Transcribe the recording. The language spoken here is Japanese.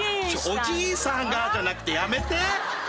「おじーさんが」じゃなくてやめて。